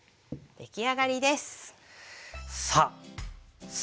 出来上がりです。